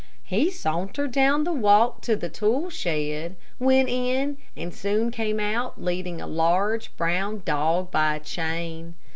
He sauntered down the walk to the tool shed, went in and soon came out leading a large, brown dog by a chain.